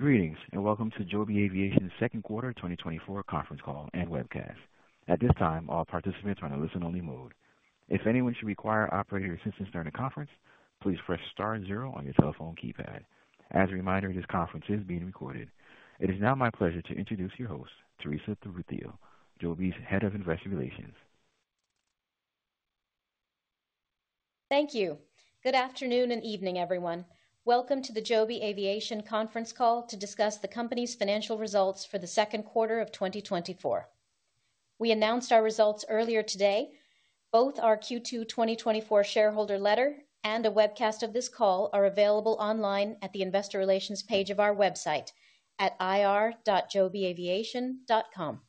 Greetings, and welcome to Joby Aviation's Second Quarter 2024 Conference Call and Webcast. At this time, all participants are on a listen-only mode. If anyone should require operator assistance during the conference, please press star zero on your telephone keypad. As a reminder, this conference is being recorded. It is now my pleasure to introduce your host, Teresa Ruthillo, Joby's Head of Investor Relations. Thank you. Good afternoon and evening, everyone. Welcome to the Joby Aviation conference call to discuss the company's financial results for the second quarter of 2024. We announced our results earlier today. Both our Q2 2024 shareholder letter and a webcast of this call are available online at the investor relations page of our website at ir.jobyaviation.com.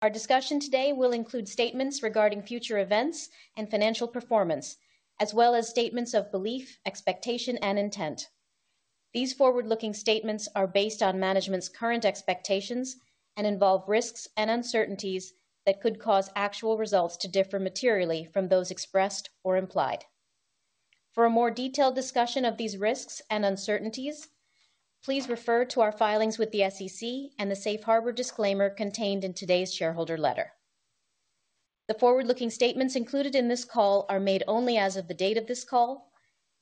Our discussion today will include statements regarding future events and financial performance, as well as statements of belief, expectation, and intent. These forward-looking statements are based on management's current expectations and involve risks and uncertainties that could cause actual results to differ materially from those expressed or implied. For a more detailed discussion of these risks and uncertainties, please refer to our filings with the SEC and the Safe Harbor disclaimer contained in today's shareholder letter. The forward-looking statements included in this call are made only as of the date of this call,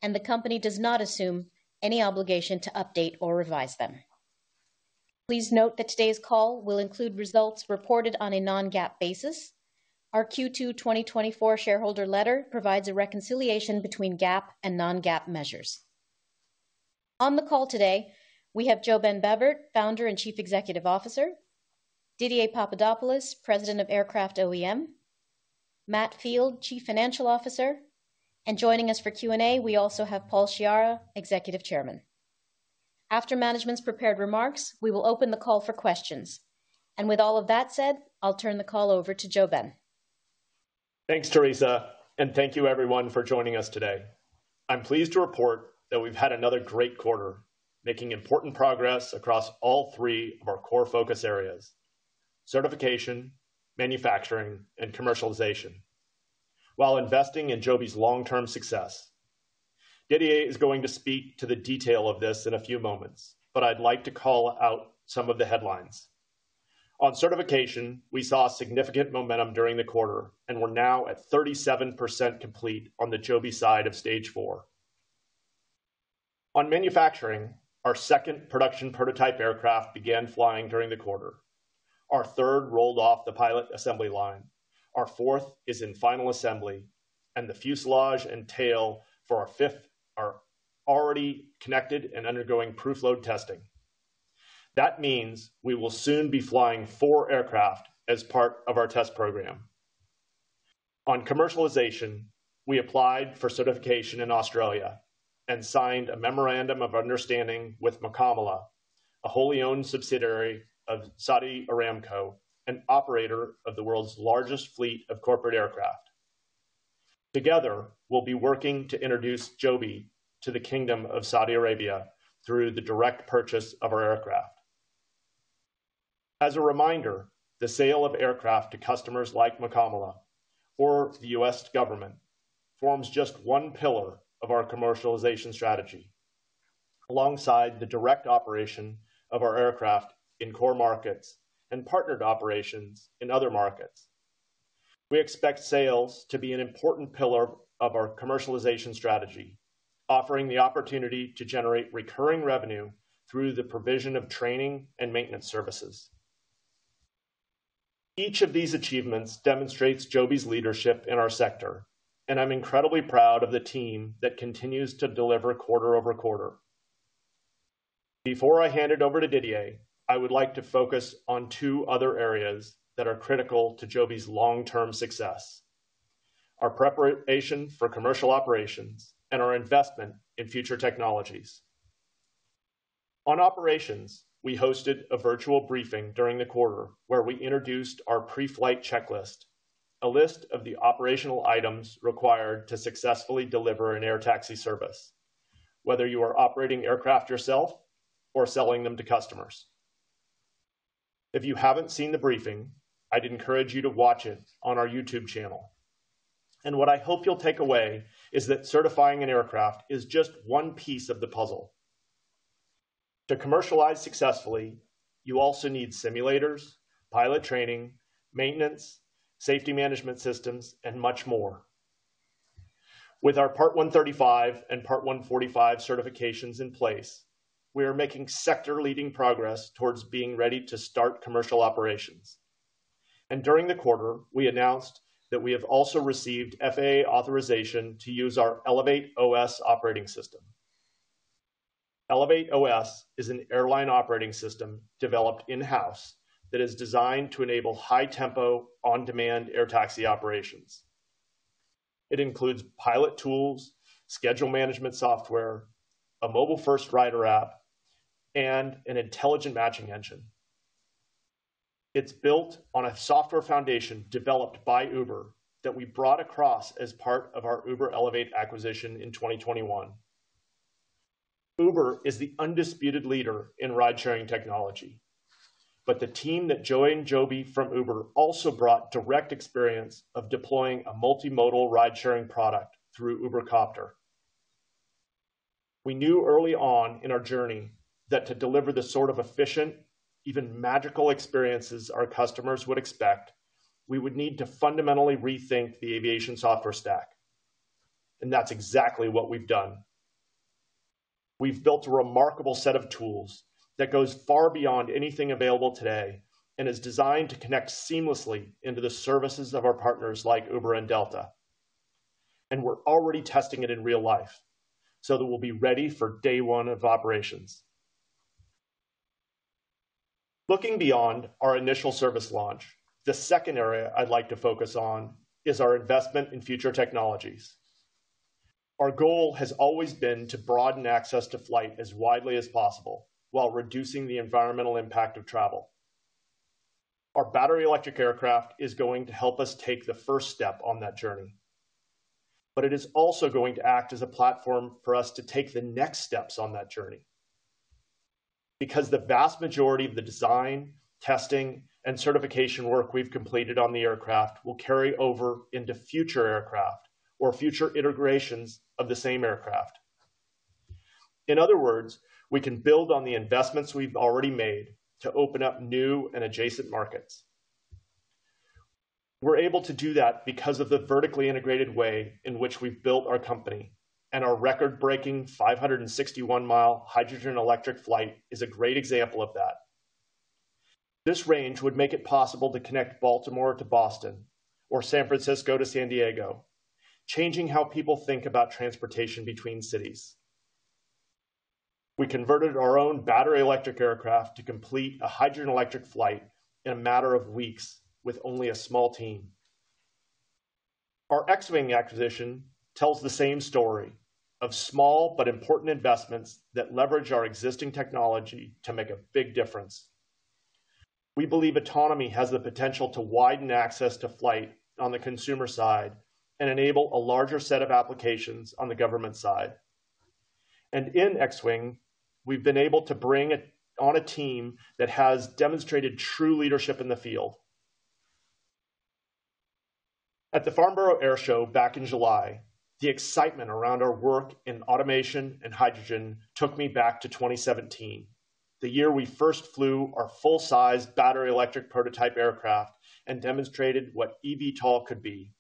and the company does not assume any obligation to update or revise them. Please note that today's call will include results reported on a non-GAAP basis. Our Q2 2024 shareholder letter provides a reconciliation between GAAP and non-GAAP measures. On the call today, we have Joeben Bevirt, Founder and Chief Executive Officer, Didier Papadopoulos, President of Aircraft OEM, Matt Field, Chief Financial Officer, and joining us for Q&A, we also have Paul Sciarra, Executive Chairman. After management's prepared remarks, we will open the call for questions. With all of that said, I'll turn the call over to Joeben. Thanks, Teresa, and thank you everyone for joining us today. I'm pleased to report that we've had another great quarter, making important progress across all three of our core focus areas: certification, manufacturing, and commercialization, while investing in Joby's long-term success. Didier is going to speak to the detail of this in a few moments, but I'd like to call out some of the headlines. On certification, we saw significant momentum during the quarter, and we're now at 37% complete on the Joby side of stage four. On manufacturing, our second production prototype aircraft began flying during the quarter. Our third rolled off the pilot assembly line. Our fourth is in final assembly, and the fuselage and tail for our fifth are already connected and undergoing proof load testing. That means we will soon be flying four aircraft as part of our test program. On commercialization, we applied for certification in Australia and signed a memorandum of understanding with Makamala, a wholly-owned subsidiary of Saudi Aramco, an operator of the world's largest fleet of corporate aircraft. Together, we'll be working to introduce Joby to the Kingdom of Saudi Arabia through the direct purchase of our aircraft. As a reminder, the sale of aircraft to customers like Makamala or the U.S. government forms just one pillar of our commercialization strategy, alongside the direct operation of our aircraft in core markets and partnered operations in other markets. We expect sales to be an important pillar of our commercialization strategy, offering the opportunity to generate recurring revenue through the provision of training and maintenance services. Each of these achievements demonstrates Joby's leadership in our sector, and I'm incredibly proud of the team that continues to deliver quarter-over-quarter. Before I hand it over to Didier, I would like to focus on 2 other areas that are critical to Joby's long-term success: our preparation for commercial operations and our investment in future technologies. On operations, we hosted a virtual briefing during the quarter, where we introduced our pre-flight checklist, a list of the operational items required to successfully deliver an air taxi service, whether you are operating aircraft yourself or selling them to customers. If you haven't seen the briefing, I'd encourage you to watch it on our YouTube channel. And what I hope you'll take away is that certifying an aircraft is just one piece of the puzzle. To commercialize successfully, you also need simulators, pilot training, maintenance, safety management systems, and much more. With our Part 135 and Part 145 certifications in place, we are making sector-leading progress towards being ready to start commercial operations. During the quarter, we announced that we have also received FAA authorization to use our ElevateOS operating system. ElevateOS is an airline operating system developed in-house that is designed to enable high-tempo, on-demand air taxi operations. It includes pilot tools, schedule management software, a mobile-first rider app, and an intelligent matching engine. It's built on a software foundation developed by Uber that we brought across as part of our Uber Elevate acquisition in 2021. Uber is the undisputed leader in ride-sharing technology... The team that joined Joby from Uber also brought direct experience of deploying a multimodal ride-sharing product through Uber Copter. We knew early on in our journey that to deliver the sort of efficient, even magical experiences our customers would expect, we would need to fundamentally rethink the aviation software stack, and that's exactly what we've done. We've built a remarkable set of tools that goes far beyond anything available today and is designed to connect seamlessly into the services of our partners like Uber and Delta, and we're already testing it in real life so that we'll be ready for day one of operations. Looking beyond our initial service launch, the second area I'd like to focus on is our investment in future technologies. Our goal has always been to broaden access to flight as widely as possible while reducing the environmental impact of travel. Our battery electric aircraft is going to help us take the first step on that journey, but it is also going to act as a platform for us to take the next steps on that journey. Because the vast majority of the design, testing, and certification work we've completed on the aircraft will carry over into future aircraft or future integrations of the same aircraft. In other words, we can build on the investments we've already made to open up new and adjacent markets. We're able to do that because of the vertically integrated way in which we've built our company, and our record-breaking 561-mile hydrogen-electric flight is a great example of that. This range would make it possible to connect Baltimore to Boston or San Francisco to San Diego, changing how people think about transportation between cities. We converted our own battery-electric aircraft to complete a hydrogen-electric flight in a matter of weeks with only a small team. Our Xwing acquisition tells the same story of small but important investments that leverage our existing technology to make a big difference. We believe autonomy has the potential to widen access to flight on the consumer side and enable a larger set of applications on the government side. And in Xwing, we've been able to bring on a team that has demonstrated true leadership in the field. At the Farnborough Airshow back in July, the excitement around our work in automation and hydrogen took me back to 2017, the year we first flew our full-size battery electric prototype aircraft and demonstrated what eVTOL could be.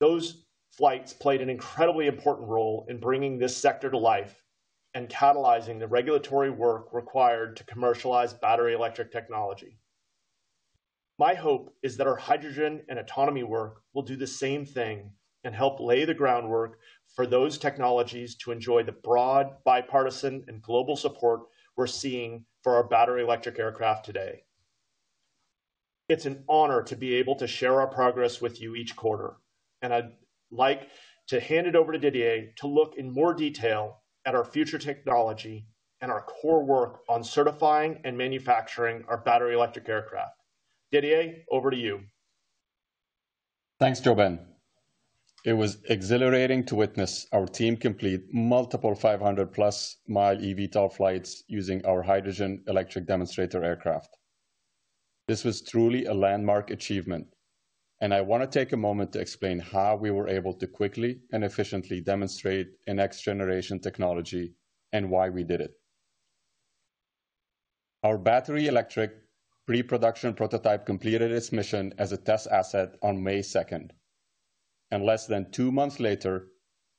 Those flights played an incredibly important role in bringing this sector to life and catalyzing the regulatory work required to commercialize battery electric technology. My hope is that our hydrogen and autonomy work will do the same thing and help lay the groundwork for those technologies to enjoy the broad, bipartisan, and global support we're seeing for our battery electric aircraft today. It's an honor to be able to share our progress with you each quarter, and I'd like to hand it over to Didier to look in more detail at our future technology and our core work on certifying and manufacturing our battery electric aircraft. Didier, over to you. Thanks, JoeBen. It was exhilarating to witness our team complete multiple 500+ mile eVTOL flights using our hydrogen-electric demonstrator aircraft. This was truly a landmark achievement, and I want to take a moment to explain how we were able to quickly and efficiently demonstrate a next-generation technology and why we did it. Our battery-electric pre-production prototype completed its mission as a test asset on May 2nd, and less than two months later,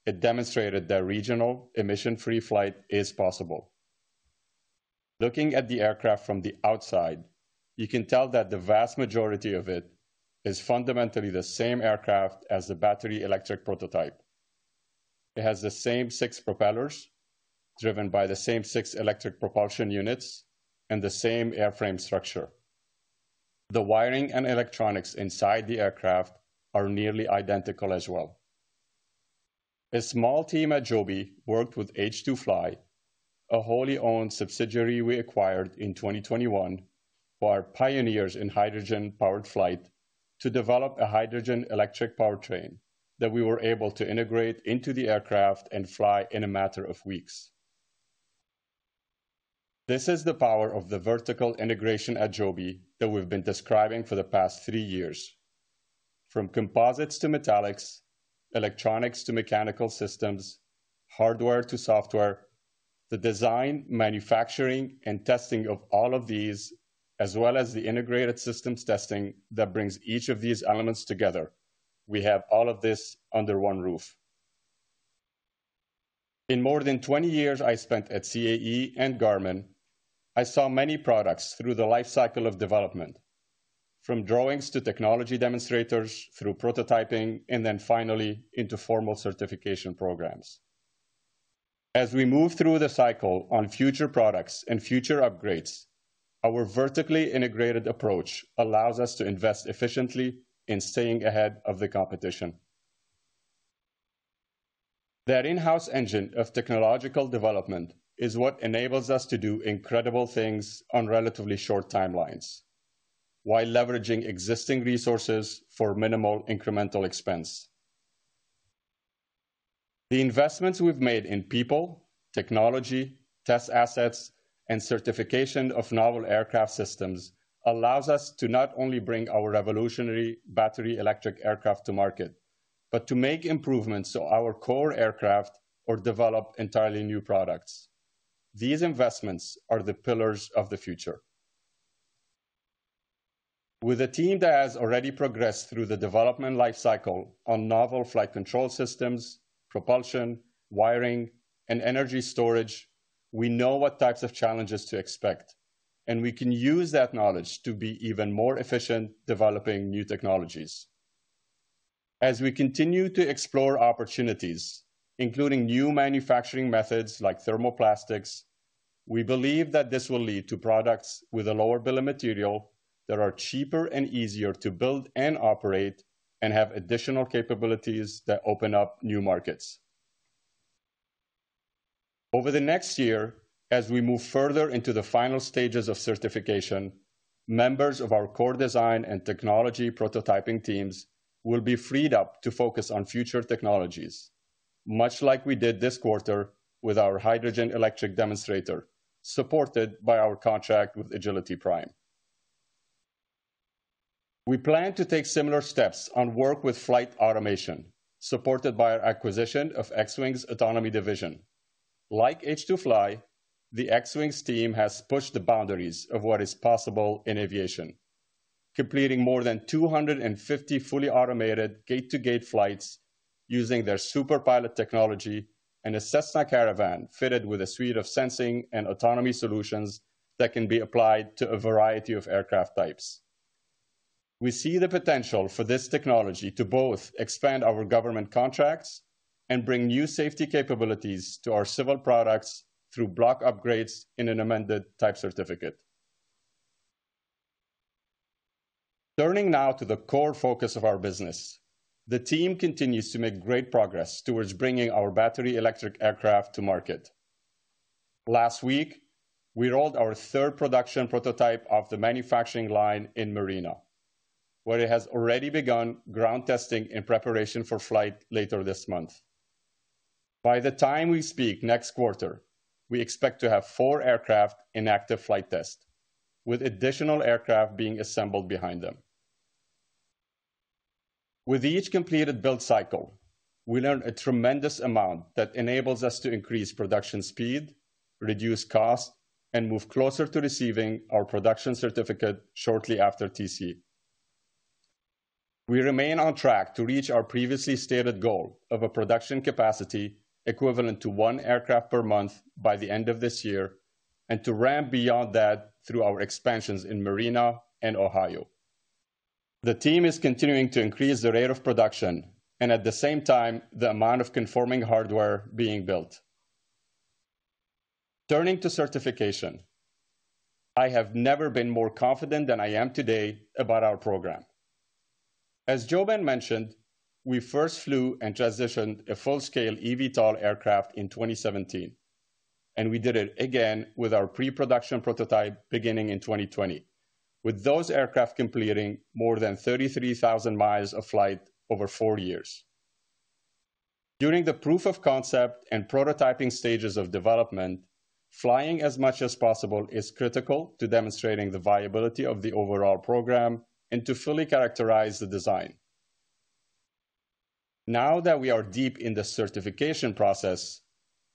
it demonstrated that regional emission-free flight is possible. Looking at the aircraft from the outside, you can tell that the vast majority of it is fundamentally the same aircraft as the battery-electric prototype. It has the same six propellers, driven by the same six electric propulsion units and the same airframe structure. The wiring and electronics inside the aircraft are nearly identical as well. A small team at Joby worked with H2FLY, a wholly owned subsidiary we acquired in 2021, who are pioneers in hydrogen-powered flight, to develop a hydrogen electric powertrain that we were able to integrate into the aircraft and fly in a matter of weeks. This is the power of the vertical integration at Joby that we've been describing for the past three years. From composites to metallics, electronics to mechanical systems, hardware to software, the design, manufacturing, and testing of all of these, as well as the integrated systems testing that brings each of these elements together, we have all of this under one roof. In more than 20 years I spent at CAE and Garmin, I saw many products through the life cycle of development, from drawings to technology demonstrators through prototyping, and then finally into formal certification programs. As we move through the cycle on future products and future upgrades, our vertically integrated approach allows us to invest efficiently in staying ahead of the competition. That in-house engine of technological development is what enables us to do incredible things on relatively short timelines while leveraging existing resources for minimal incremental expense.... The investments we've made in people, technology, test assets, and certification of novel aircraft systems allows us to not only bring our revolutionary battery electric aircraft to market, but to make improvements to our core aircraft or develop entirely new products. These investments are the pillars of the future. With a team that has already progressed through the development life cycle on novel flight control systems, propulsion, wiring, and energy storage, we know what types of challenges to expect, and we can use that knowledge to be even more efficient developing new technologies. As we continue to explore opportunities, including new manufacturing methods like thermoplastics, we believe that this will lead to products with a lower bill of material that are cheaper and easier to build and operate, and have additional capabilities that open up new markets. Over the next year, as we move further into the final stages of certification, members of our core design and technology prototyping teams will be freed up to focus on future technologies, much like we did this quarter with our hydrogen electric demonstrator, supported by our contract with Agility Prime. We plan to take similar steps on work with flight automation, supported by our acquisition of Xwing's autonomy division. Like H2FLY, the Xwing's team has pushed the boundaries of what is possible in aviation, completing more than 250 fully automated gate-to-gate flights using their Superpilot technology and a Cessna Caravan fitted with a suite of sensing and Autonomy Solutions that can be applied to a variety of aircraft types. We see the potential for this technology to both expand our government contracts and bring new safety capabilities to our civil products through block upgrades in an Amended Type Certificate. Turning now to the core focus of our business, the team continues to make great progress towards bringing our battery electric aircraft to market. Last week, we rolled our third production prototype off the manufacturing line in Marina, where it has already begun ground testing in preparation for flight later this month. By the time we speak next quarter, we expect to have four aircraft in active flight test, with additional aircraft being assembled behind them. With each completed build cycle, we learn a tremendous amount that enables us to increase production speed, reduce costs, and move closer to receiving our production certificate shortly after TC. We remain on track to reach our previously stated goal of a production capacity equivalent to 1 aircraft per month by the end of this year, and to ramp beyond that through our expansions in Marina and Ohio. The team is continuing to increase the rate of production and at the same time, the amount of conforming hardware being built. Turning to certification, I have never been more confident than I am today about our program. As JoeBen mentioned, we first flew and transitioned a full-scale eVTOL aircraft in 2017, and we did it again with our pre-production prototype beginning in 2020, with those aircraft completing more than 33,000 miles of flight over four years. During the proof of concept and prototyping stages of development, flying as much as possible is critical to demonstrating the viability of the overall program and to fully characterize the design. Now that we are deep in the certification process,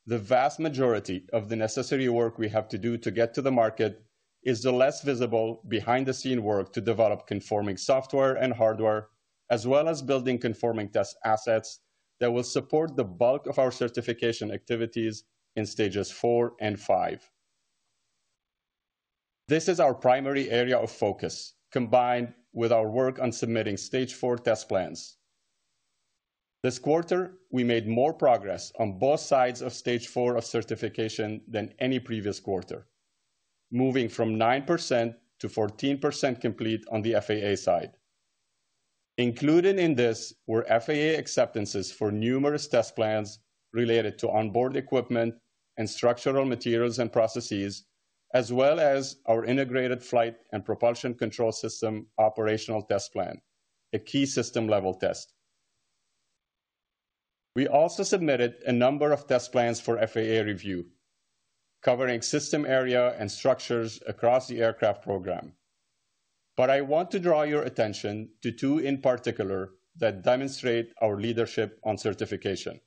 the vast majority of the necessary work we have to do to get to the market is the less visible, behind-the-scenes work to develop conforming software and hardware, as well as building conforming test assets that will support the bulk of our certification activities in stages four and five. This is our primary area of focus, combined with our work on submitting stage four test plans. This quarter, we made more progress on both sides of Stage Four of certification than any previous quarter, moving from 9% to 14% complete on the FAA side. Included in this were FAA acceptances for numerous test plans related to onboard equipment and structural materials and processes, as well as our integrated flight and Propulsion Control System operational test plan, a key system-level test. We also submitted a number of test plans for FAA review, covering system area and structures across the aircraft program. But I want to draw your attention to two in particular that demonstrate our leadership on certification.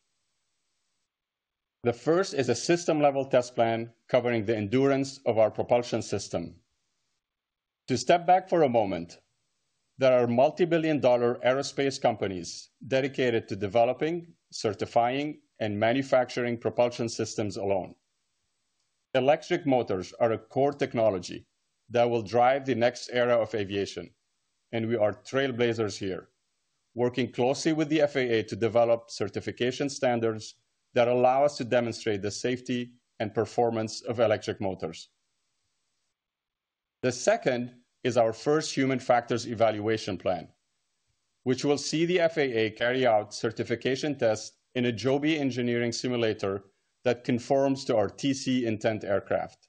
The first is a system-level test plan covering the endurance of our propulsion system. To step back for a moment, there are multi-billion-dollar aerospace companies dedicated to developing, certifying, and manufacturing propulsion systems alone. Electric motors are a core technology that will drive the next era of aviation, and we are trailblazers here, working closely with the FAA to develop certification standards that allow us to demonstrate the safety and performance of electric motors. The second is our first human factors evaluation plan, which will see the FAA carry out certification tests in a Joby engineering simulator that conforms to our TC-intent aircraft.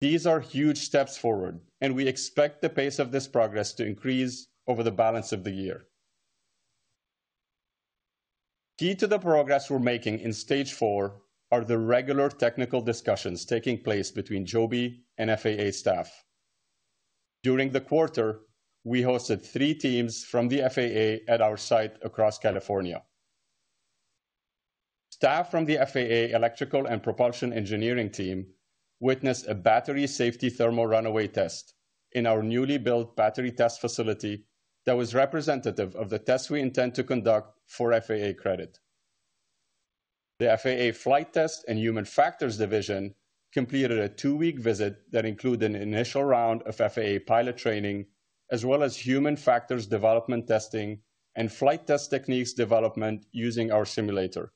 These are huge steps forward, and we expect the pace of this progress to increase over the balance of the year. Key to the progress we're making in stage four are the regular technical discussions taking place between Joby and FAA staff. During the quarter, we hosted three teams from the FAA at our site across California. Staff from the FAA Electrical and Propulsion engineering team witnessed a battery safety thermal runaway test in our newly built battery test facility that was representative of the test we intend to conduct for FAA credit. The FAA Flight Test and Human Factors Division completed a two-week visit that included an initial round of FAA pilot training, as well as human factors development testing and flight test techniques development using our simulator.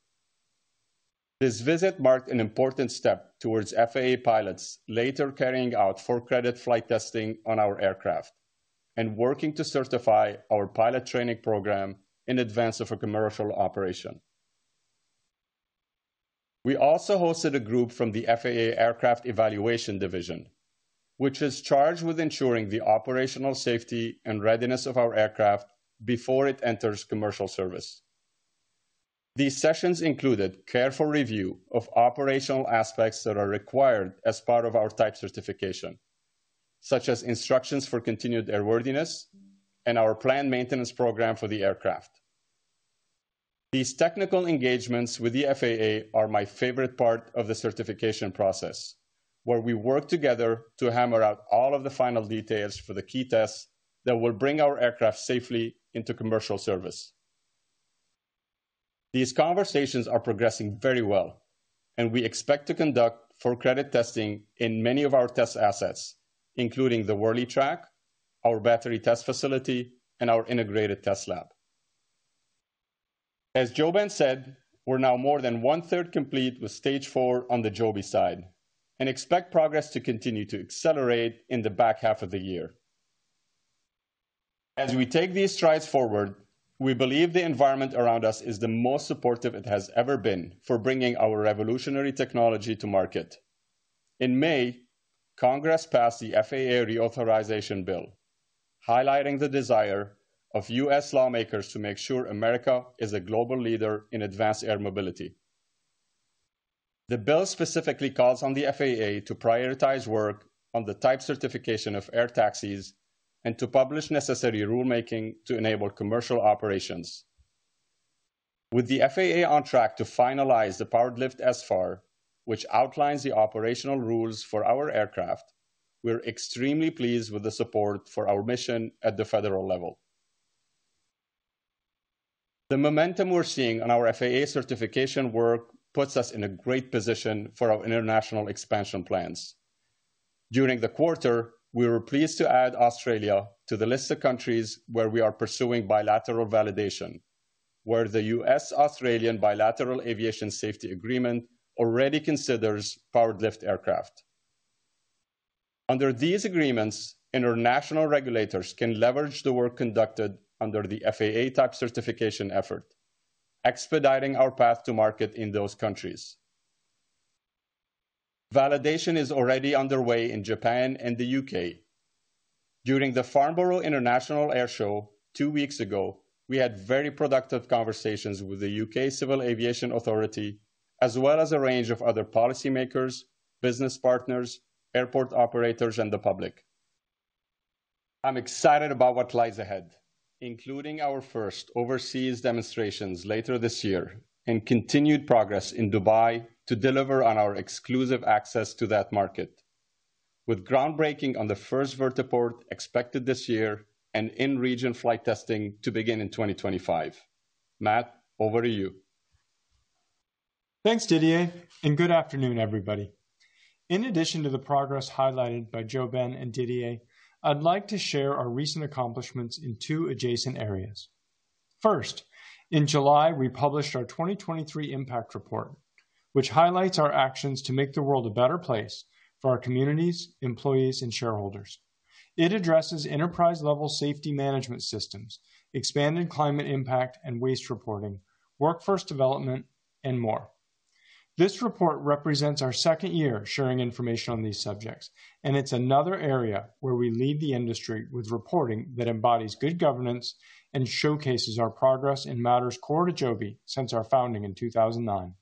This visit marked an important step towards FAA pilots later carrying out full credit flight testing on our aircraft and working to certify our pilot training program in advance of a commercial operation. We also hosted a group from the FAA Aircraft Evaluation Division, which is charged with ensuring the operational safety and readiness of our aircraft before it enters commercial service. These sessions included careful review of operational aspects that are required as part of our type certification, such as instructions for continued airworthiness and our planned maintenance program for the aircraft. These technical engagements with the FAA are my favorite part of the certification process, where we work together to hammer out all of the final details for the key tests that will bring our aircraft safely into commercial service. These conversations are progressing very well, and we expect to conduct full credit testing in many of our test assets, including the whirly track, our battery test facility, and our integrated test lab. As JoeBen said, we're now more than one-third complete with stage four on the Joby side and expect progress to continue to accelerate in the back half of the year. As we take these strides forward, we believe the environment around us is the most supportive it has ever been for bringing our revolutionary technology to market. In May, Congress passed the FAA Reauthorization Bill, highlighting the desire of U.S. lawmakers to make sure America is a global leader in advanced air mobility. The bill specifically calls on the FAA to prioritize work on the type certification of air taxis and to publish necessary rulemaking to enable commercial operations. With the FAA on track to finalize the Powered-Lift SFAR, which outlines the operational rules for our aircraft, we're extremely pleased with the support for our mission at the federal level. The momentum we're seeing on our FAA certification work puts us in a great position for our international expansion plans. During the quarter, we were pleased to add Australia to the list of countries where we are pursuing bilateral validation, where the U.S.-Australian Bilateral Aviation Safety Agreement already considers powered lift aircraft. Under these agreements, international regulators can leverage the work conducted under the FAA type certification effort, expediting our path to market in those countries. Validation is already underway in Japan and the U.K.. During the Farnborough International Airshow two weeks ago, we had very productive conversations with the U.K. Civil Aviation Authority, as well as a range of other policymakers, business partners, airport operators, and the public. I'm excited about what lies ahead, including our first overseas demonstrations later this year and continued progress in Dubai to deliver on our exclusive access to that market. With groundbreaking on the first vertiport expected this year and in-region flight testing to begin in 2025. Matt, over to you. Thanks, Didier, and good afternoon, everybody. In addition to the progress highlighted by JoeBen and Didier, I'd like to share our recent accomplishments in two adjacent areas. First, in July, we published our 2023 Impact Report, which highlights our actions to make the world a better place for our communities, employees, and shareholders. It addresses enterprise-level safety management systems, expanded climate impact and waste reporting, workforce development, and more. This report represents our second year sharing information on these subjects, and it's another area where we lead the industry with reporting that embodies good governance and showcases our progress in matters core to Joby since our founding in 2009.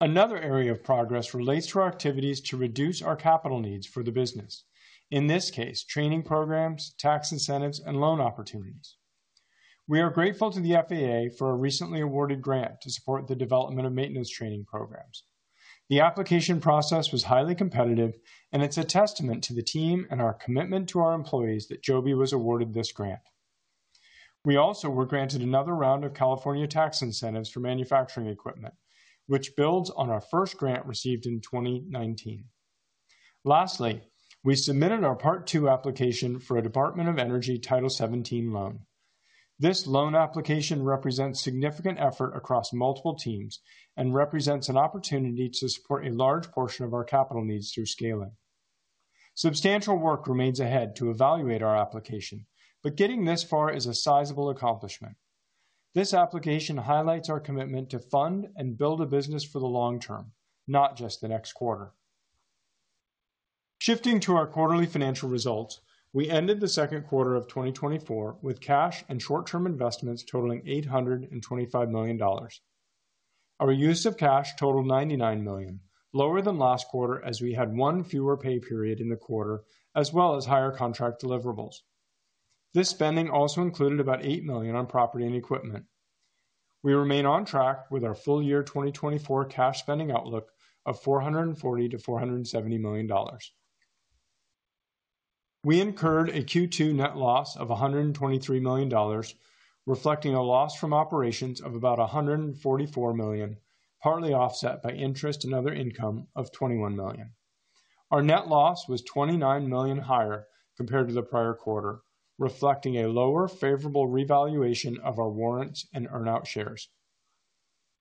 Another area of progress relates to our activities to reduce our capital needs for the business. In this case, training programs, tax incentives, and loan opportunities. We are grateful to the FAA for a recently awarded grant to support the development of maintenance training programs. The application process was highly competitive, and it's a testament to the team and our commitment to our employees that Joby was awarded this grant. We also were granted another round of California tax incentives for manufacturing equipment, which builds on our first grant received in 2019. Lastly, we submitted our part two application for a Department of Energy Title 17 loan. This loan application represents significant effort across multiple teams and represents an opportunity to support a large portion of our capital needs through scaling. Substantial work remains ahead to evaluate our application, but getting this far is a sizable accomplishment. This application highlights our commitment to fund and build a business for the long term, not just the next quarter. Shifting to our quarterly financial results, we ended the second quarter of 2024 with cash and short-term investments totaling $825 million. Our use of cash totaled $99 million, lower than last quarter, as we had one fewer pay period in the quarter, as well as higher contract deliverables. This spending also included about $8 million on property and equipment. We remain on track with our full year 2024 cash spending outlook of $440 million-$470 million. We incurred a Q2 net loss of $123 million, reflecting a loss from operations of about $144 million, partly offset by interest and other income of $21 million. Our net loss was $29 million higher compared to the prior quarter, reflecting a lower favorable revaluation of our warrants and earn-out shares.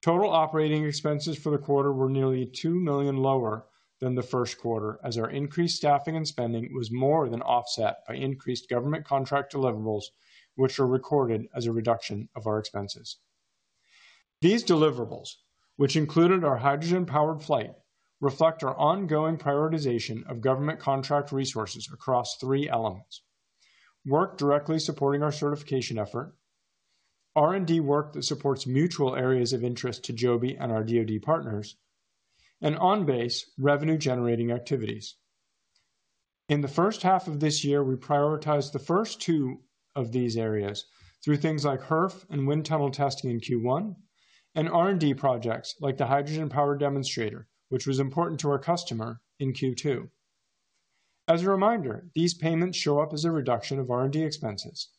Total operating expenses for the quarter were nearly $2 million lower than the first quarter, as our increased staffing and spending was more than offset by increased government contract deliverables, which are recorded as a reduction of our expenses. These deliverables, which included our hydrogen-powered flight, reflect our ongoing prioritization of government contract resources across three elements: work directly supporting our certification effort, R&D work that supports mutual areas of interest to Joby and our DoD partners, and on-base revenue-generating activities. In the first half of this year, we prioritized the first two of these areas through things like HRF and wind tunnel testing in Q1 and R&D projects like the hydrogen power demonstrator, which was important to our customer in Q2. As a reminder, these payments show up as a reduction of R&D expenses.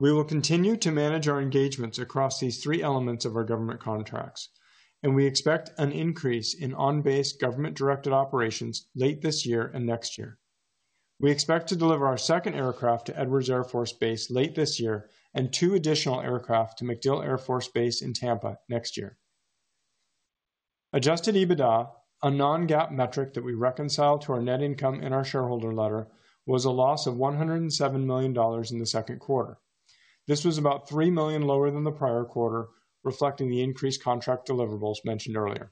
We will continue to manage our engagements across these three elements of our government contracts, and we expect an increase in on-base, government-directed operations late this year and next year. We expect to deliver our second aircraft to Edwards Air Force Base late this year and two additional aircraft to MacDill Air Force Base in Tampa next year. Adjusted EBITDA, a non-GAAP metric that we reconcile to our net income in our shareholder letter, was a loss of $107 million in the second quarter. This was about $3 million lower than the prior quarter, reflecting the increased contract deliverables mentioned earlier.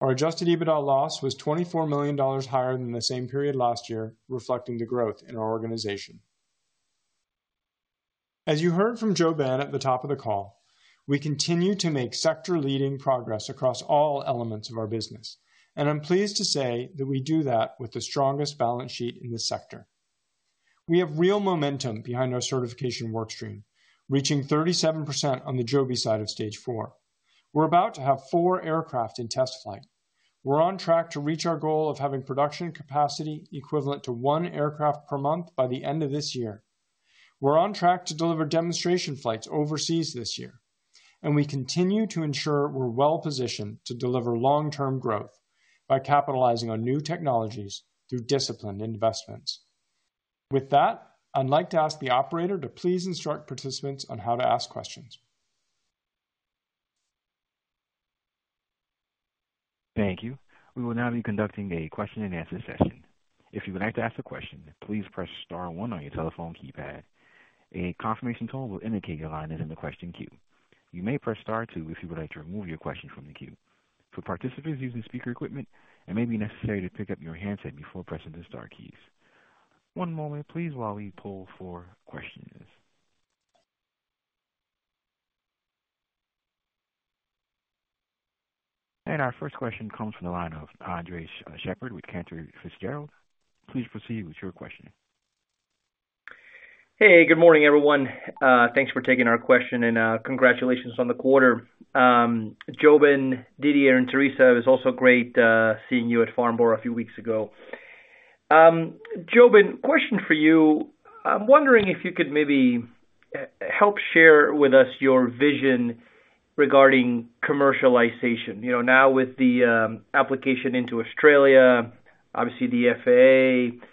Our adjusted EBITDA loss was $24 million higher than the same period last year, reflecting the growth in our organization. As you heard from Joeben at the top of the call, we continue to make sector-leading progress across all elements of our business, and I'm pleased to say that we do that with the strongest balance sheet in the sector. We have real momentum behind our certification work stream, reaching 37% on the Joby side of stage four. We're about to have four aircraft in test flight. We're on track to reach our goal of having production capacity equivalent to one aircraft per month by the end of this year. We're on track to deliver demonstration flights overseas this year, and we continue to ensure we're well positioned to deliver long-term growth by capitalizing on new technologies through disciplined investments. With that, I'd like to ask the operator to please instruct participants on how to ask questions. Thank you. We will now be conducting a question-and-answer session. If you would like to ask a question, please press star one on your telephone keypad. A confirmation tone will indicate your line is in the question queue. You may press star two if you would like to remove your question from the queue. For participants using speaker equipment, it may be necessary to pick up your handset before pressing the star keys. One moment, please, while we pull for questions. And our first question comes from the line of Andres Sheppard with Cantor Fitzgerald. Please proceed with your question. Hey, good morning, everyone. Thanks for taking our question, and, congratulations on the quarter. Joeben, Didier, and Teresa, it was also great, seeing you at Farnborough a few weeks ago. Joeben, question for you. I'm wondering if you could maybe, help share with us your vision regarding commercialization. You know, now with the, application into Australia, obviously the FAA,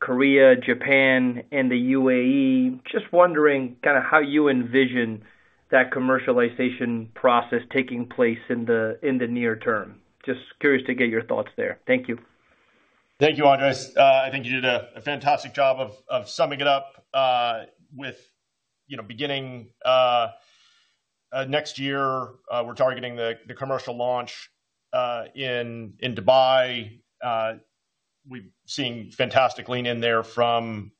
Korea, Japan, and the UAE. Just wondering kind of how you envision that commercialization process taking place in the, in the near term. Just curious to get your thoughts there. Thank you. Thank you, Andres. I think you did a fantastic job of summing it up with, you know, beginning next year, we're targeting the commercial launch in Dubai. We've seen fantastic lean in there from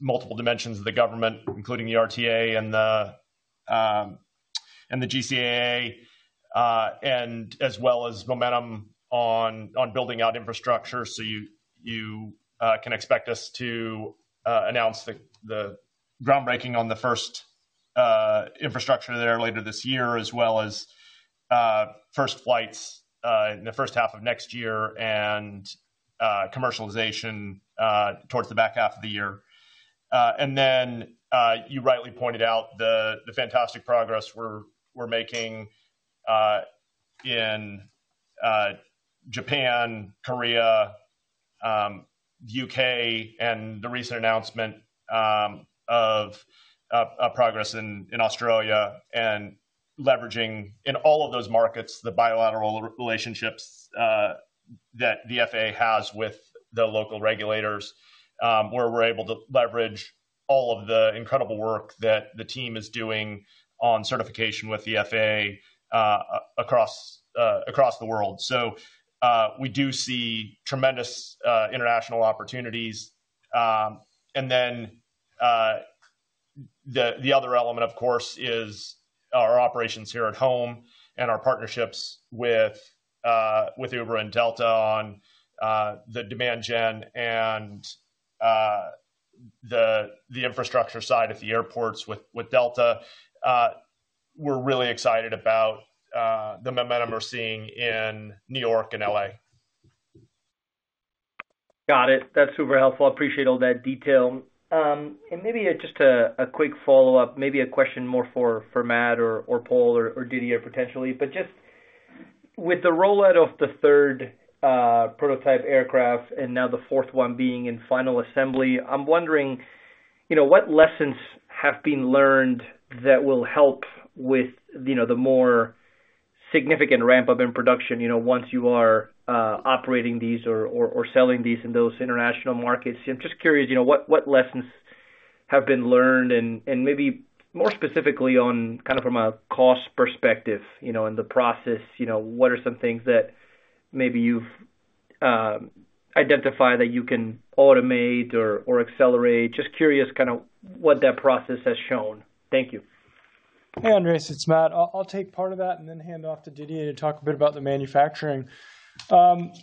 multiple dimensions of the government, including the RTA and the GCAA, and as well as momentum on building out infrastructure. So you can expect us to announce the groundbreaking on the first infrastructure there later this year, as well as first flights in the first half of next year and commercialization towards the back half of the year. And then you rightly pointed out the fantastic progress we're making in Japan, Korea.... UK and the recent announcement of progress in Australia, and leveraging in all of those markets, the bilateral relationships that the FAA has with the local regulators, where we're able to leverage all of the incredible work that the team is doing on certification with the FAA, across the world. So, we do see tremendous international opportunities. And then, the other element, of course, is our operations here at home and our partnerships with Uber and Delta on the demand gen and the infrastructure side at the airports with Delta. We're really excited about the momentum we're seeing in New York and L.A. Got it. That's super helpful. Appreciate all that detail. And maybe just a quick follow-up, maybe a question more for Matt or Paul or Didier, potentially. But just with the rollout of the third prototype aircraft, and now the fourth one being in final assembly, I'm wondering, you know, what lessons have been learned that will help with, you know, the more significant ramp-up in production, you know, once you are operating these or selling these in those international markets? I'm just curious, you know, what lessons have been learned? And maybe more specifically on kind of from a cost perspective, you know, in the process, you know, what are some things that maybe you've identified that you can automate or accelerate? Just curious kinda what that process has shown. Thank you. Hey, Andres, it's Matt. I'll take part of that and then hand off to Didier to talk a bit about the manufacturing.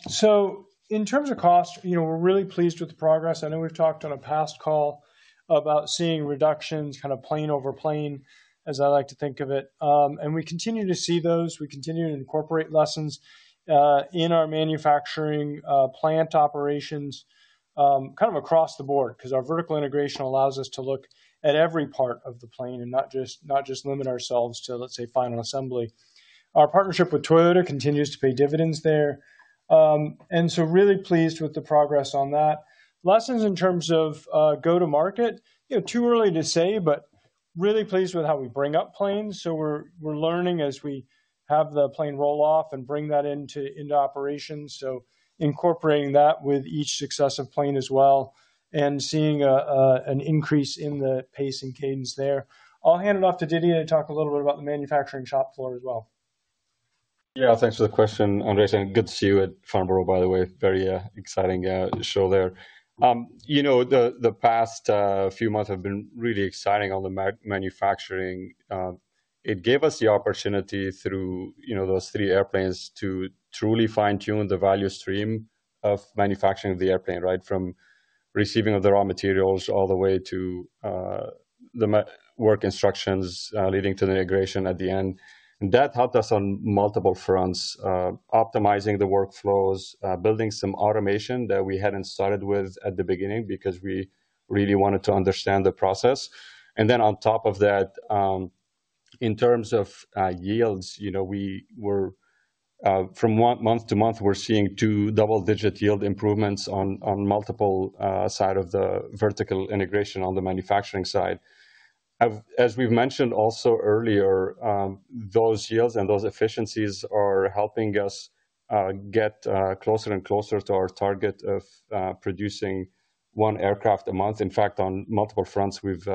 So in terms of cost, you know, we're really pleased with the progress. I know we've talked on a past call about seeing reductions kind of plane over plane, as I like to think of it. And we continue to see those. We continue to incorporate lessons in our manufacturing plant operations kind of across the board, 'cause our vertical integration allows us to look at every part of the plane and not just, not just limit ourselves to, let's say, final assembly. Our partnership with Toyota continues to pay dividends there. And so really pleased with the progress on that. Lessons in terms of go-to-market, you know, too early to say, but really pleased with how we bring up planes. So we're learning as we have the plane roll off and bring that into operation. So incorporating that with each successive plane as well and seeing an increase in the pace and cadence there. I'll hand it off to Didier to talk a little bit about the manufacturing shop floor as well. Yeah, thanks for the question, Andres, and good to see you at Farnborough, by the way. Very exciting show there. You know, the past few months have been really exciting on the manufacturing. It gave us the opportunity through, you know, those three airplanes, to truly fine-tune the value stream of manufacturing of the airplane, right? From receiving of the raw materials all the way to the work instructions leading to the integration at the end. And that helped us on multiple fronts, optimizing the workflows, building some automation that we hadn't started with at the beginning because we really wanted to understand the process. And then on top of that, in terms of yields, you know, we were... From one month to month, we're seeing two double-digit yield improvements on multiple sides of the vertical integration on the manufacturing side. As we've mentioned also earlier, those yields and those efficiencies are helping us get closer and closer to our target of producing one aircraft a month. In fact, on multiple fronts, we've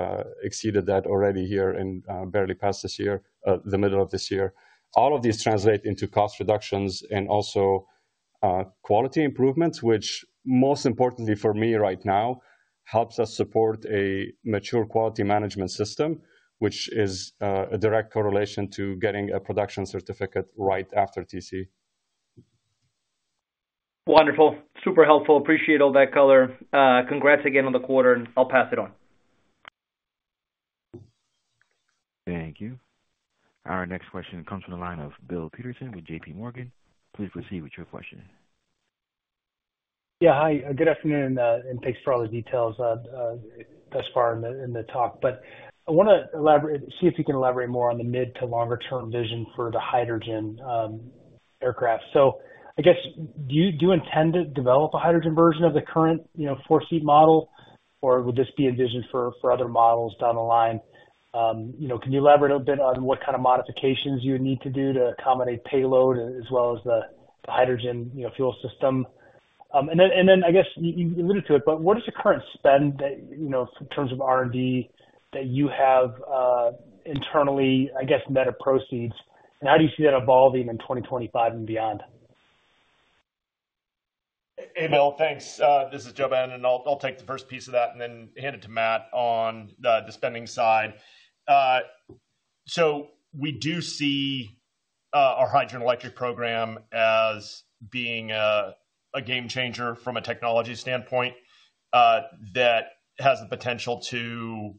exceeded that already here in barely past this year, the middle of this year. All of these translate into cost reductions and also quality improvements, which most importantly for me right now, helps us support a mature quality management system, which is a direct correlation to getting a production certificate right after TC. Wonderful. Super helpful. Appreciate all that color. Congrats again on the quarter, and I'll pass it on. Thank you. Our next question comes from the line of Bill Peterson with J.P. Morgan. Please proceed with your question. Yeah, hi, good afternoon, and thanks for all the details thus far in the talk. But I wanna elaborate—see if you can elaborate more on the mid- to longer-term vision for the hydrogen aircraft. So I guess, do you intend to develop a hydrogen version of the current, you know, four-seat model, or would this be a vision for other models down the line? You know, can you elaborate a bit on what kind of modifications you would need to do to accommodate payload as well as the hydrogen, you know, fuel system? And then I guess you alluded to it, but what is the current spend that, you know, in terms of R&D, that you have, internally, I guess, net of proceeds, and how do you see that evolving in 2025 and beyond? Hey, Bill, thanks. This is JoeBen, and I'll take the first piece of that and then hand it to Matt on the spending side. So we do see our hydrogen-electric program as being a game changer from a technology standpoint that has the potential to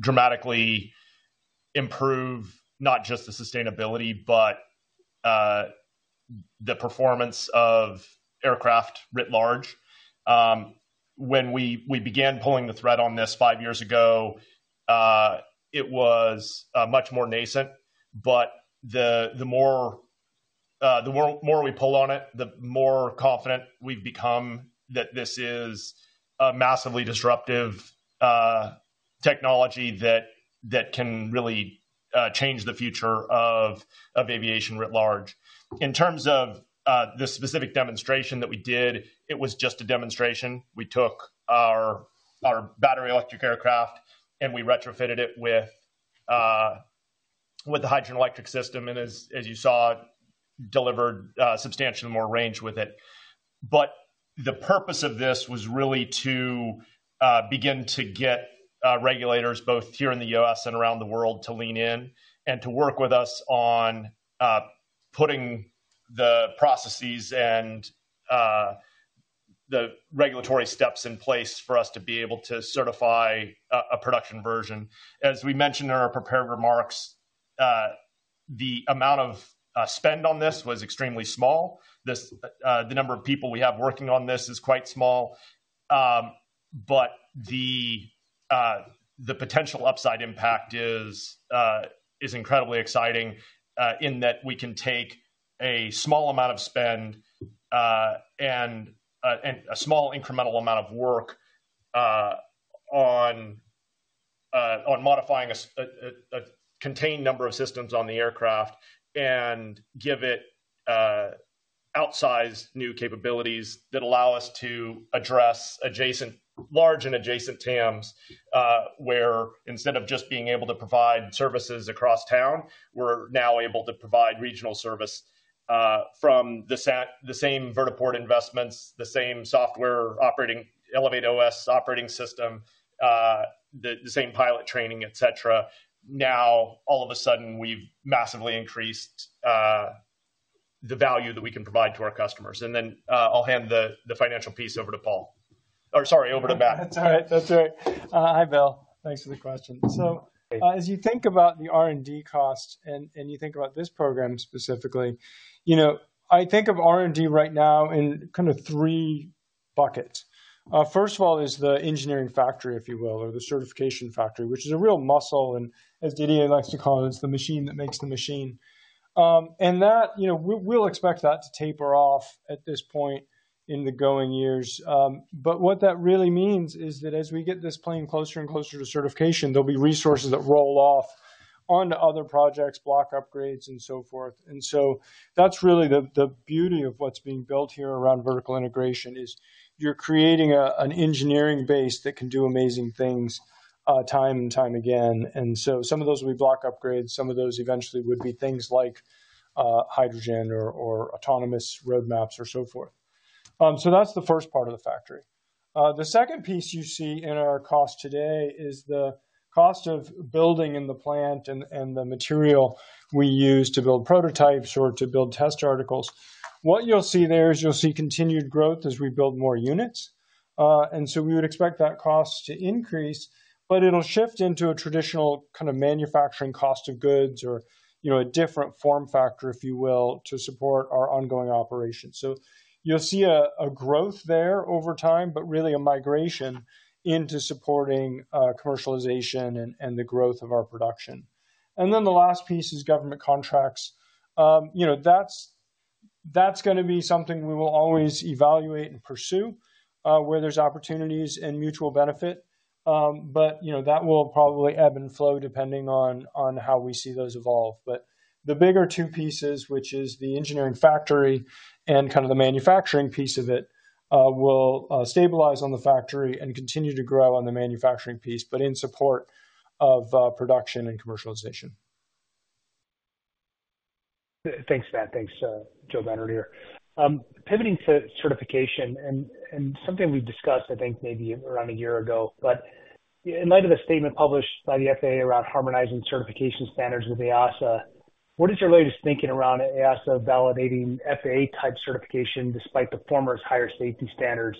dramatically improve not just the sustainability, but the performance of aircraft writ large. When we began pulling the thread on this five years ago, it was much more nascent, but the more... The more we pull on it, the more confident we've become that this is a massively disruptive technology that can really change the future of aviation writ large. In terms of the specific demonstration that we did, it was just a demonstration. We took our battery electric aircraft, and we retrofitted it with the hydrogen electric system, and as you saw, delivered substantially more range with it. But the purpose of this was really to begin to get regulators, both here in the U.S. and around the world, to lean in and to work with us on putting the processes and the regulatory steps in place for us to be able to certify a production version. As we mentioned in our prepared remarks, the amount of spend on this was extremely small. This, the number of people we have working on this is quite small, but the, the potential upside impact is, is incredibly exciting, in that we can take a small amount of spend, and, and a small incremental amount of work, on, on modifying a, a contained number of systems on the aircraft and give it, outsized new capabilities that allow us to address adjacent—large and adjacent TAMS, where instead of just being able to provide services across town, we're now able to provide regional service, from the same vertiport investments, the same software operating, ElevateOS operating system, the, the same pilot training, et cetera. Now, all of a sudden, we've massively increased the value that we can provide to our customers. And then, I'll hand the financial piece over to Paul. Or, sorry, over to Matt. That's all right. That's all right. Hi, Bill. Thanks for the question. So as you think about the R&D costs and you think about this program specifically, you know, I think of R&D right now in kind of three buckets. First of all, is the engineering factory, if you will, or the certification factory, which is a real muscle, and as Didier likes to call it, it's the machine that makes the machine. And that, you know, we, we'll expect that to taper off at this point in the going years. But what that really means is that as we get this plane closer and closer to certification, there'll be resources that roll off onto other projects, block upgrades, and so forth. And so that's really the beauty of what's being built here around vertical integration, is you're creating an engineering base that can do amazing things time and time again. And so some of those will be block upgrades, some of those eventually would be things like hydrogen or autonomous roadmaps or so forth. So that's the first part of the factory. The second piece you see in our cost today is the cost of building in the plant and the material we use to build prototypes or to build test articles. What you'll see there is you'll see continued growth as we build more units, and so we would expect that cost to increase, but it'll shift into a traditional kind of manufacturing cost of goods or, you know, a different form factor, if you will, to support our ongoing operations. So you'll see a growth there over time, but really a migration into supporting commercialization and the growth of our production. And then the last piece is government contracts. You know, that's gonna be something we will always evaluate and pursue where there's opportunities and mutual benefit. But you know, that will probably ebb and flow depending on how we see those evolve. But the bigger two pieces, which is the engineering factory and kind of the manufacturing piece of it, will stabilize on the factory and continue to grow on the manufacturing piece, but in support of production and commercialization. Thanks, Matt. Thanks, Joe Bevirt here. Pivoting to certification and something we discussed, I think, maybe around a year ago, but in light of the statement published by the FAA around harmonizing certification standards with EASA, what is your latest thinking around EASA validating FAA-type certification despite the former's higher safety standards?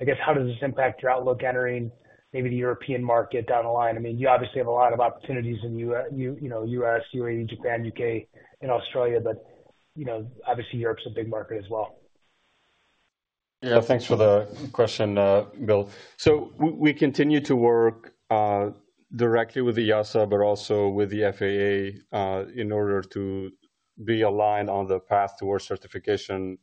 I guess, how does this impact your outlook entering maybe the European market down the line? I mean, you obviously have a lot of opportunities in you know, U.S., UAE, Japan, U.K., and Australia, but, you know, obviously, Europe's a big market as well. Yeah, thanks for the question, Bill. So we continue to work directly with EASA, but also with the FAA, in order to be aligned on the path towards certification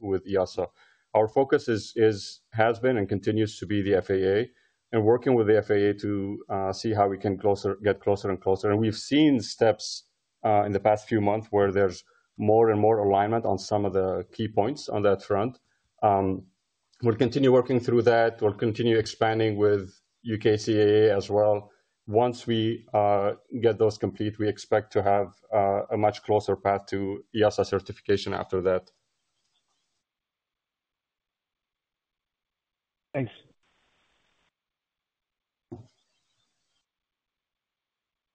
with EASA. Our focus is, has been and continues to be the FAA, and working with the FAA to see how we can get closer and closer. And we've seen steps in the past few months where there's more and more alignment on some of the key points on that front. We'll continue working through that. We'll continue expanding with UK CAA as well. Once we get those complete, we expect to have a much closer path to EASA certification after that. Thanks.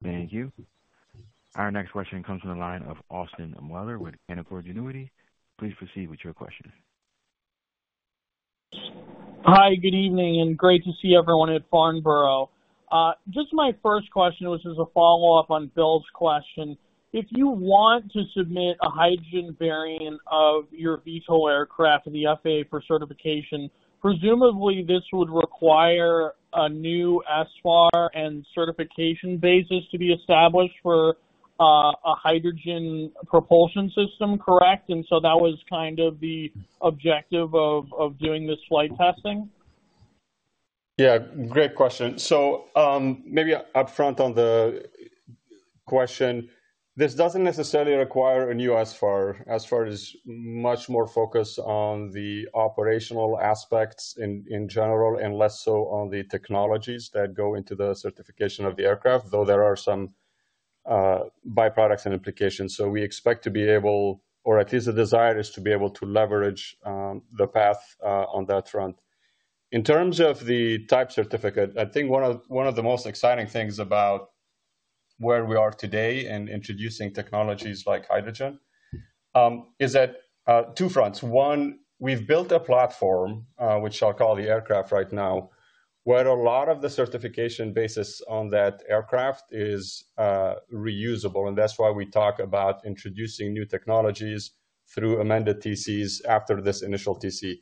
Thank you. Our next question comes from the line of Austin Weller with Canaccord Genuity. Please proceed with your question. Hi, good evening, and great to see everyone at Farnborough. Just my first question, which is a follow-up on Bill's question. If you want to submit a hydrogen variant of your VTOL aircraft to the FAA for certification, presumably this would require a new SVR and certification basis to be established for a hydrogen propulsion system, correct? And so that was kind of the objective of doing this flight testing? Yeah, great question. So, maybe up front on the question, this doesn't necessarily require a new as far as much more focus on the operational aspects in general, and less so on the technologies that go into the certification of the aircraft, though there are some byproducts and implications. So we expect to be able, or at least the desire, is to be able to leverage the path on that front. In terms of the Type Certificate, I think one of the most exciting things about where we are today in introducing technologies like hydrogen is that two fronts. One, we've built a platform, which I'll call the aircraft right now, where a lot of the certification basis on that aircraft is, reusable, and that's why we talk about introducing new technologies through amended TCs after this initial TC.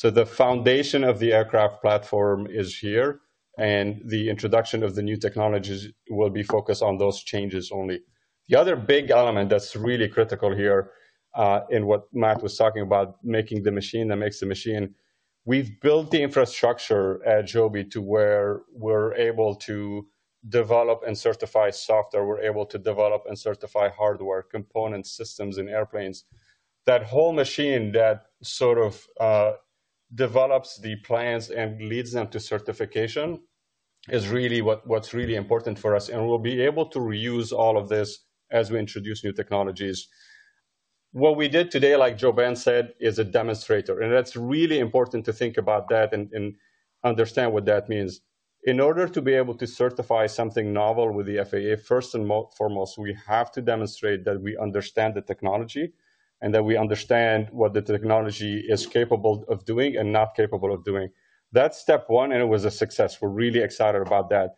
So the foundation of the aircraft platform is here, and the introduction of the new technologies will be focused on those changes only. The other big element that's really critical here, in what Matt was talking about, making the machine that makes the machine, we've built the infrastructure at Joby to where we're able to develop and certify software, we're able to develop and certify hardware, components, systems and airplanes. That whole machine that sort of, develops the plans and leads them to certification is really what, what's really important for us, and we'll be able to reuse all of this as we introduce new technologies. What we did today, like JoeBen said, is a demonstrator, and that's really important to think about that and understand what that means. In order to be able to certify something novel with the FAA, first and foremost, we have to demonstrate that we understand the technology and that we understand what the technology is capable of doing and not capable of doing. That's step one, and it was a success. We're really excited about that.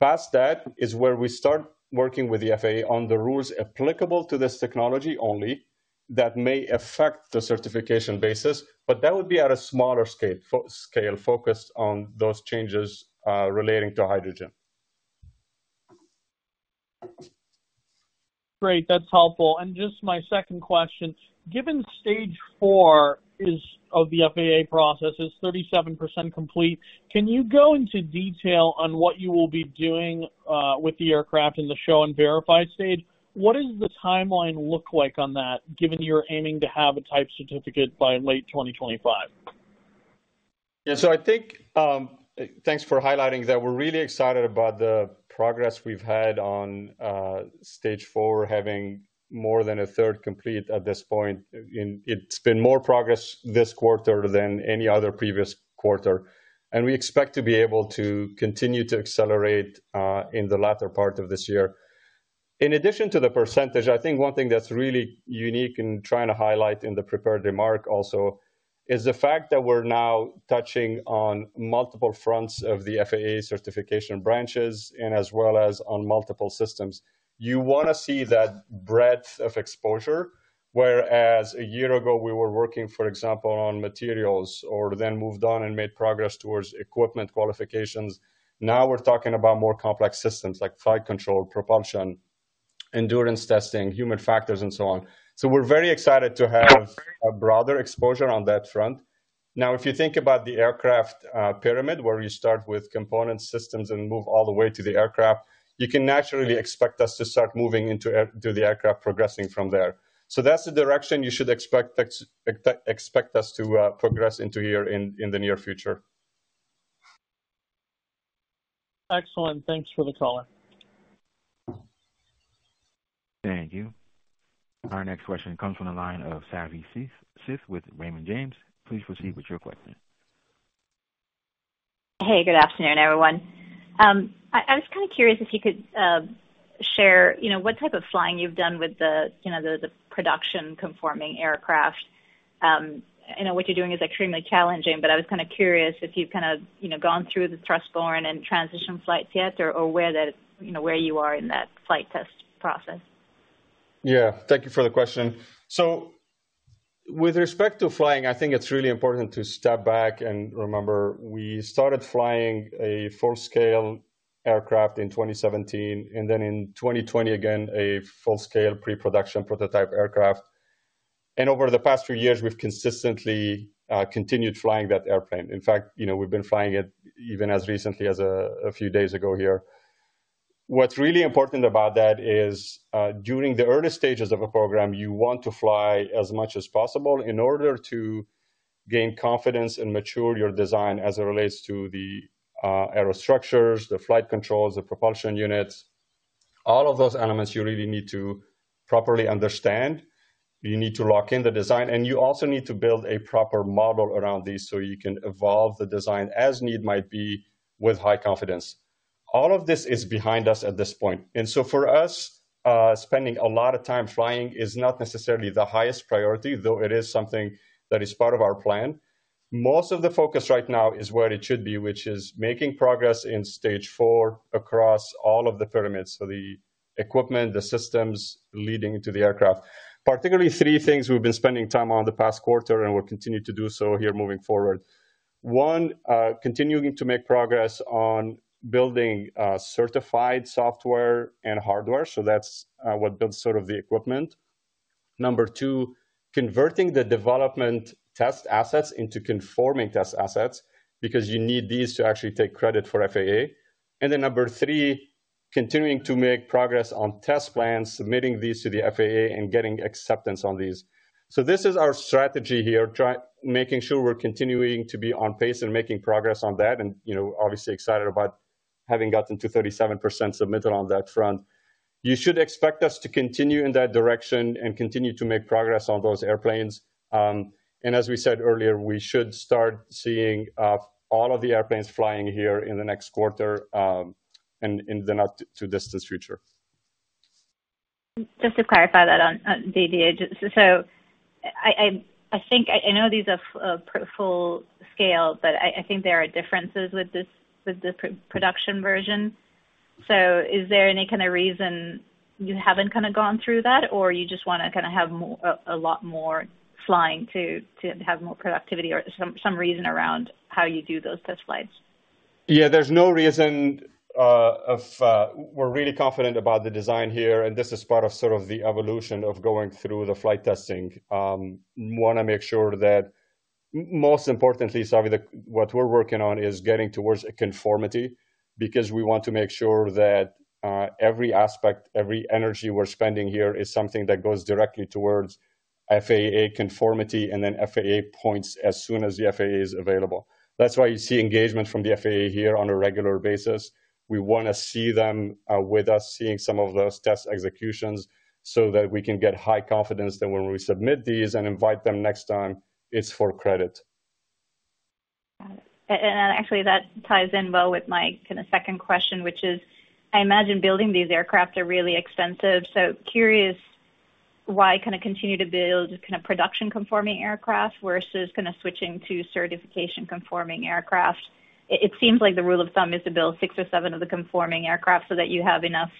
Past that is where we start working with the FAA on the rules applicable to this technology only, that may affect the certification basis, but that would be at a smaller scale, focused on those changes relating to hydrogen. Great, that's helpful. And just my second question, given Stage Four of the FAA process is 37% complete, can you go into detail on what you will be doing with the aircraft in the conform and verify stage? What does the timeline look like on that, given you're aiming to have a Type Certificate by late 2025? Yeah, so I think, thanks for highlighting that. We're really excited about the progress we've had on, stage four, having more than a third complete at this point. It's been more progress this quarter than any other previous quarter, and we expect to be able to continue to accelerate, in the latter part of this year. In addition to the percentage, I think one thing that's really unique and trying to highlight in the prepared remark also, is the fact that we're now touching on multiple fronts of the FAA certification branches and as well as on multiple systems. You want to see that breadth of exposure, whereas a year ago, we were working, for example, on materials or then moved on and made progress towards equipment qualifications. Now we're talking about more complex systems like flight control, propulsion, endurance testing, human factors, and so on. So we're very excited to have a broader exposure on that front. Now, if you think about the aircraft pyramid, where you start with component systems and move all the way to the aircraft, you can naturally expect us to start moving into aircraft, progressing from there. So that's the direction you should expect us to progress into here in the near future. Excellent. Thanks for the call. Thank you. Our next question comes from the line of Savi Syth with Raymond James. Please proceed with your question. Hey, good afternoon, everyone. I was kind of curious if you could share, you know, what type of flying you've done with the production-conforming aircraft. I know what you're doing is extremely challenging, but I was kind of curious if you've kind of gone through the thrust-borne and transition flights yet or where you are in that flight test process. Yeah. Thank you for the question. So with respect to flying, I think it's really important to step back and remember, we started flying a full-scale aircraft in 2017, and then in 2020, again, a full-scale pre-production prototype aircraft. Over the past few years, we've consistently continued flying that airplane. In fact, you know, we've been flying it even as recently as a few days ago here. What's really important about that is, during the early stages of a program, you want to fly as much as possible in order to gain confidence and mature your design as it relates to the aerostructures, the flight controls, the propulsion units, all of those elements you really need to properly understand. You need to lock in the design, and you also need to build a proper model around these so you can evolve the design as need might be with high confidence. All of this is behind us at this point, and so for us, spending a lot of time flying is not necessarily the highest priority, though it is something that is part of our plan. Most of the focus right now is where it should be, which is making progress in stage four across all of the pyramids. So the equipment, the systems leading to the aircraft. Particularly three things we've been spending time on the past quarter, and we'll continue to do so here moving forward. One, continuing to make progress on building certified software and hardware. So that's what builds sort of the equipment. Number two, converting the development test assets into conforming test assets, because you need these to actually take credit for FAA. And then number 3, continuing to make progress on test plans, submitting these to the FAA, and getting acceptance on these. So this is our strategy here, making sure we're continuing to be on pace and making progress on that. And, you know, obviously excited about having gotten to 37% submitted on that front. You should expect us to continue in that direction and continue to make progress on those airplanes. And as we said earlier, we should start seeing all of the airplanes flying here in the next quarter, and in the not-too-distant future. Just to clarify that on Didier. So I think I know these are full scale, but I think there are differences with this—with the production version. So is there any kind of reason you haven't kind of gone through that? Or you just wanna kind of have a lot more flying to have more productivity or some reason around how you do those test flights? Yeah, there's no reason... We're really confident about the design here, and this is part of sort of the evolution of going through the flight testing. We wanna make sure that, most importantly, Savi, the, what we're working on is getting towards a conformity, because we want to make sure that every aspect, every energy we're spending here is something that goes directly towards FAA conformity and then FAA points as soon as the FAA is available. That's why you see engagement from the FAA here on a regular basis. We wanna see them with us, seeing some of those test executions, so that we can get high confidence that when we submit these and invite them next time, it's for credit. Got it. And actually, that ties in well with my kind of second question, which is: I imagine building these aircraft are really expensive. So curious, why kind of continue to build kind of production-conforming aircraft versus kind of switching to certification-conforming aircraft? It seems like the rule of thumb is to build six or seven of the conforming aircraft so that you have enough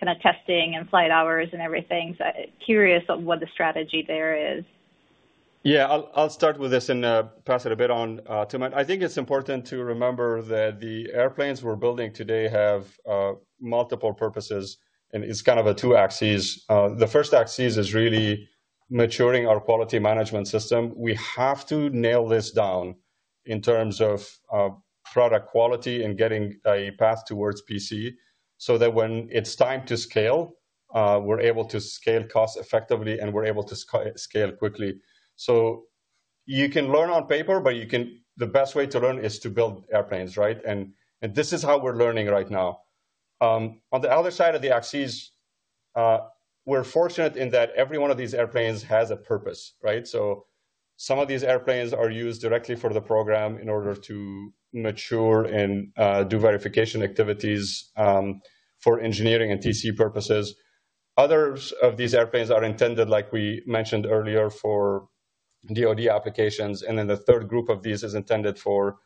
kind of testing and flight hours and everything. So curious on what the strategy there is. Yeah. I'll start with this and pass it a bit on to Matt. I think it's important to remember that the airplanes we're building today have multiple purposes, and it's kind of a two axes. The first axis is really maturing our quality management system. We have to nail this down in terms of product quality and getting a path towards PC, so that when it's time to scale, we're able to scale cost effectively, and we're able to scale quickly. So you can learn on paper, but the best way to learn is to build airplanes, right? And this is how we're learning right now. On the other side of the axes, we're fortunate in that every one of these airplanes has a purpose, right? So some of these airplanes are used directly for the program in order to mature and do verification activities for engineering and TC purposes. Others of these airplanes are intended, like we mentioned earlier, for DoD applications, and then the third group of these is intended for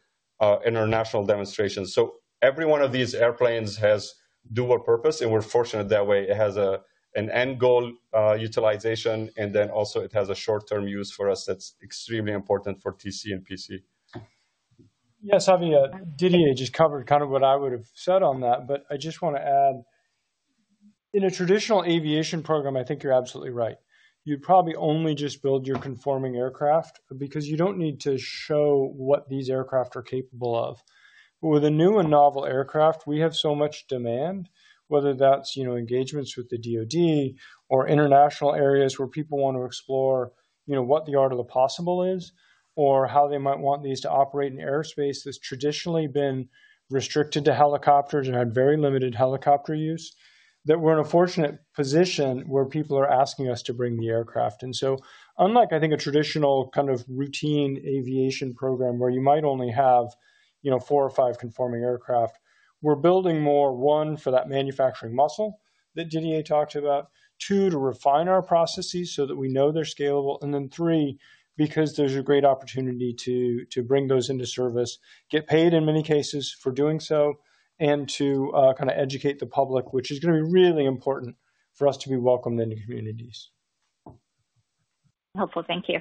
international demonstrations. So every one of these airplanes has dual purpose, and we're fortunate that way. It has an end goal utilization, and then also it has a short-term use for us that's extremely important for TC and PC. Yes, Savi, Didier just covered kind of what I would have said on that, but I just want to add, in a traditional aviation program, I think you're absolutely right. You'd probably only just build your conforming aircraft because you don't need to show what these aircraft are capable of. But with a new and novel aircraft, we have so much demand, whether that's, you know, engagements with the DoD or international areas where people want to explore, you know, what the art of the possible is, or how they might want these to operate in airspace that's traditionally been restricted to helicopters and had very limited helicopter use, that we're in a fortunate position where people are asking us to bring the aircraft. And so, unlike, I think, a traditional kind of routine aviation program, where you might only have, you know, four or five conforming aircraft, we're building more, one, for that manufacturing muscle that Didier talked about, two, to refine our processes so that we know they're scalable, and then three, because there's a great opportunity to bring those into service, get paid in many cases for doing so, and to kind of educate the public, which is gonna be really important for us to be welcome in new communities. Helpful. Thank you.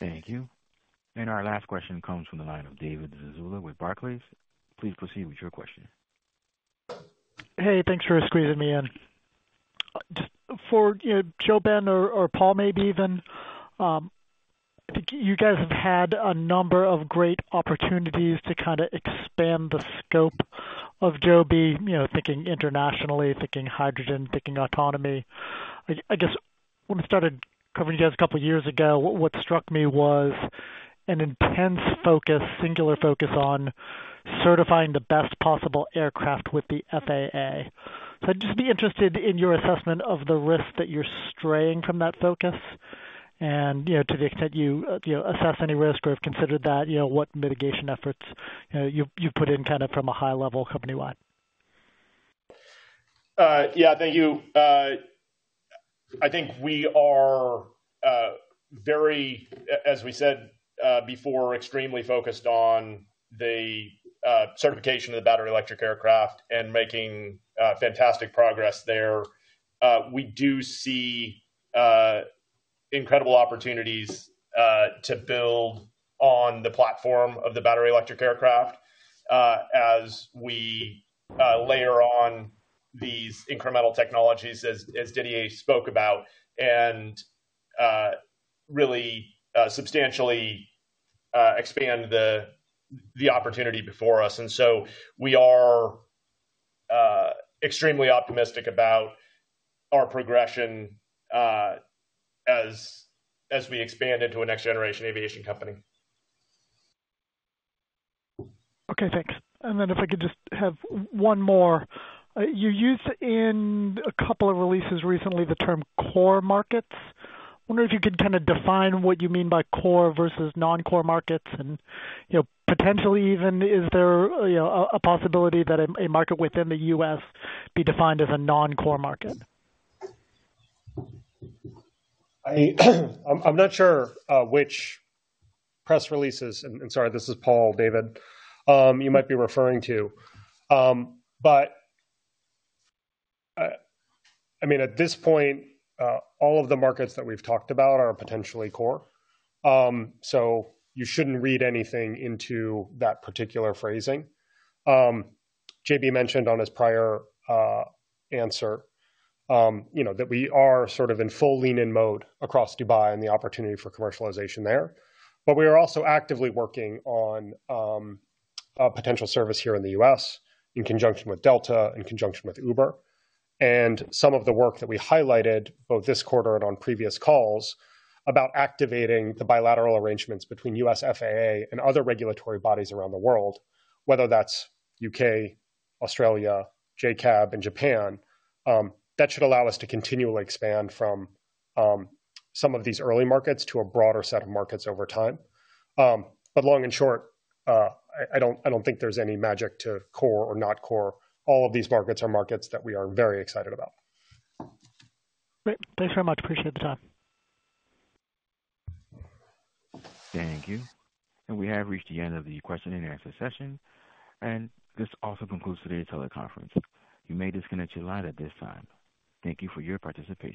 Thank you. And our last question comes from the line of David Zazula with Barclays. Please proceed with your question. Hey, thanks for squeezing me in. Just for, you know, JoeBen or Paul, maybe even I think you guys have had a number of great opportunities to kind of expand the scope of Joby, you know, thinking internationally, thinking hydrogen, thinking autonomy. I just, when we started covering you guys a couple of years ago, what struck me was an intense focus, singular focus on certifying the best possible aircraft with the FAA. So I'd just be interested in your assessment of the risk that you're straying from that focus. And, you know, to the extent you, you know, assess any risk or have considered that, you know, what mitigation efforts you've put in kind of from a high level, company-wide. Yeah, thank you. I think we are very, as we said before, extremely focused on the certification of the battery electric aircraft and making fantastic progress there. We do see... incredible opportunities to build on the platform of the battery electric aircraft as we layer on these incremental technologies, as Didier spoke about, and really substantially expand the opportunity before us. And so we are extremely optimistic about our progression as we expand into a next-generation aviation company. Okay, thanks. Then if I could just have one more. You used in a couple of releases recently, the term core markets. I wonder if you could kind of define what you mean by core versus non-core markets and, you know, potentially even is there, you know, a, a possibility that a, a market within the U.S. be defined as a non-core market? I'm not sure which press releases, and sorry, this is Paul, David, you might be referring to. But I mean, at this point, all of the markets that we've talked about are potentially core. So you shouldn't read anything into that particular phrasing. JoeBen mentioned on his prior answer, you know, that we are sort of in full lean in mode across Dubai and the opportunity for commercialization there. But we are also actively working on a potential service here in the U.S. in conjunction with Delta, in conjunction with Uber, and some of the work that we highlighted both this quarter and on previous calls, about activating the bilateral arrangements between U.S. FAA and other regulatory bodies around the world, whether that's U.K., Australia, JCAB, and Japan. That should allow us to continually expand from some of these early markets to a broader set of markets over time. But long and short, I don't think there's any magic to core or not core. All of these markets are markets that we are very excited about. Great. Thanks very much. Appreciate the time. Thank you. We have reached the end of the question and answer session, and this also concludes today's teleconference. You may disconnect your line at this time. Thank you for your participation.